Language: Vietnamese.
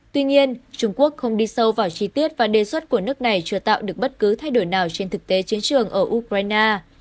tuy nhiên trung quốc không đi sâu vào chi tiết và đề xuất của nước này chưa tạo được bất cứ thay đổi nào trên thực tế chiến trường ở ukraine